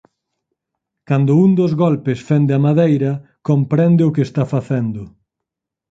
Cando un dos golpes fende a madeira, comprende o que está facendo.